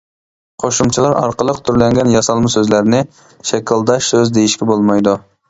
قوشۇمچىلار ئارقىلىق تۈرلەنگەن ياسالما سۆزلەرنى شەكىلداش سۆز دېيىشكە بولمايدۇ.